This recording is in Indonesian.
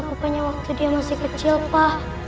pokoknya waktu dia masih kecil pa